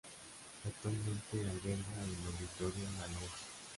Actualmente alberga el "Auditorio la Lonja".